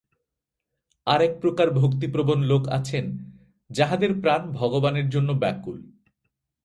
আর এক প্রকার ভক্তিপ্রবণ লোক আছেন, যাঁহাদের প্রাণ ভগবানের জন্য ব্যাকুল।